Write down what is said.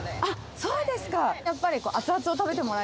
そうです。